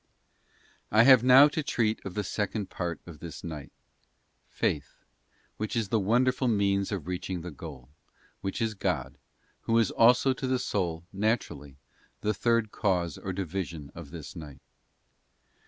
I HAVE now to treat of the second part of this night—Faith— which is that wonderful means of reaching the goal, which is God, who is also to the soul, naturally, the third cause or division of this night.